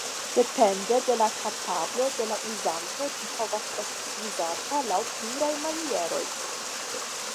Depende de la kapablo de la uzanto, ĝi povas esti uzata laŭ pluraj manieroj.